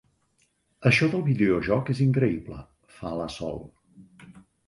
Això del videojoc és increïble —fa la Sol—.